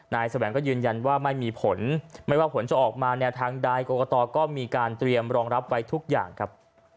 แสวงก็ยืนยันว่าไม่มีผลไม่ว่าผลจะออกมาแนวทางใดกรกตก็มีการเตรียมรองรับไว้ทุกอย่างครับ